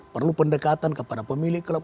perlu pendekatan kepada pemilik klub